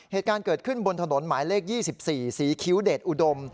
เหตุการณ์เกิดขึ้นบนถนนหมายเลข๒๔ศรีคิ้วเดชอุดม